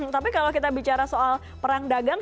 tapi kalau kita bicara soal perang dagang